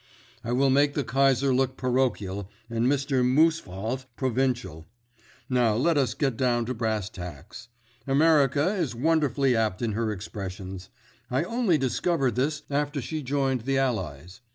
I will make the Kaiser look parochial and Mr. Moosephalt provincial. Now let us get down to brass tacks. America is wonderfully apt in her expressions. I only discovered this after she joined the Allies.